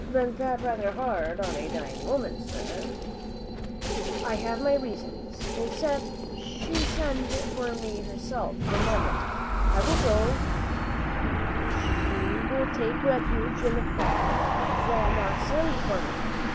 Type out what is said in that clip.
"Ben't that rather hard on a dying woman, sir?" "I have my reasons. Except she send for me herself, the moment I go she will take refuge in the fact that she did not send for me.